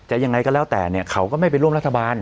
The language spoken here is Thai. ยังไงก็แล้วแต่เนี่ยเขาก็ไม่ไปร่วมรัฐบาล